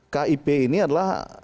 kip ini adalah